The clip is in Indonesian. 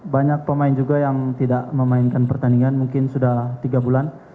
banyak pemain juga yang tidak memainkan pertandingan mungkin sudah tiga bulan